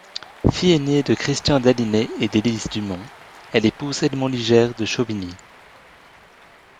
Fille aînée de Christian d'Aliney et d'Elise Dumont, elle épouse Edmond Liger de Chauvigny.